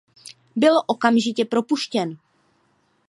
Byl okamžitě propuštěn.